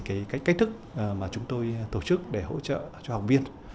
thì đấy là cái cách thức mà chúng tôi tổ chức để hỗ trợ cho học viên